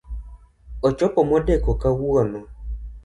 Ochopo modeko kawuono